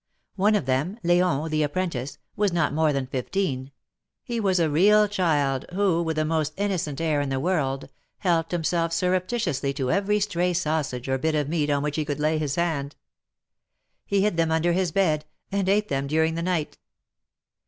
One of them, L^on, the apprentice, was not more than fifteen ; he was a real child, who, with the most innocent air in the world, helped himself surreptitiously to every stray sausage or bit of meat on which he could lay his hand. He hid them under his bed, and ate them during the night.